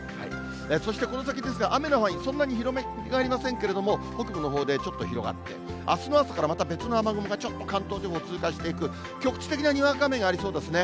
そしてこの先ですが、雨の範囲、そんなに広がりませんけれども、北部のほうでちょっと広がって、あすの朝からまた別の雨雲がちょっと関東地方通過していく、局地的なにわか雨がありそうですね。